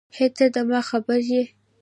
هی ته ده ما خبر یی